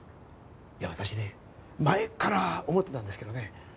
いや私ね前から思ってたんですけどね